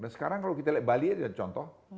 dan sekarang kalau kita lihat bali aja contoh